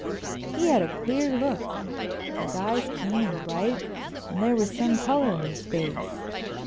He had a queer look, his eyes keen and bright, and there was some color in his face.